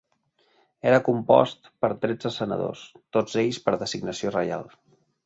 Era compost per tretze senadors, tots ells per designació reial.